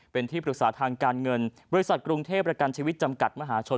เป็นที่ปรึกษาทางการเงินบริษัทกรุงเทพประกันชีวิตจำกัดมหาชน